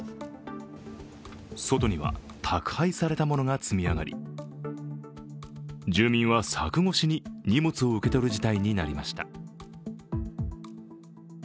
外には宅配されたものが積み上がり住民は柵越しに荷物を受け取る事態になりました。